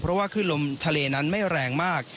เพราะว่าขึ้นลมทะเลนั้นไม่แรงมาก